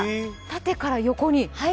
縦から横に。